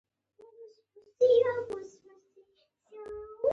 د اسلام پیغمبر ص وفرمایل علم د کتابت په مټ خوندي کړئ.